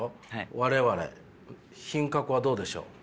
我々品格はどうでしょう？